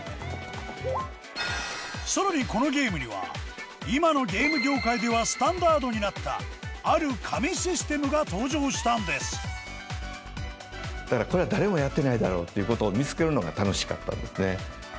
更に、このゲームには今のゲーム業界ではスタンダードになったある神システムが登場したんですこれは、誰もやってないだろうっていう事を見付けるのが楽しかったんですね。